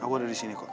aku ada disini kok